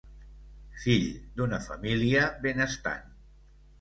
Fill d'una família benestant.